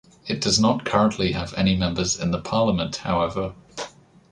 It does not currently have any members in the parliament, however.